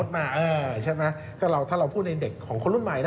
ถ้าเราพูดในเด็กของคนรุ่นใหม่